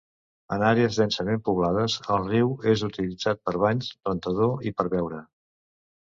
En àrees densament poblades el riu és utilitzat per banys, rentador i per beure.